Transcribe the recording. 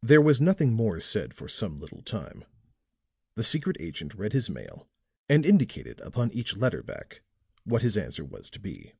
There was nothing more said for some little time. The secret agent read his mail, and indicated upon each letter back what his answer was to be.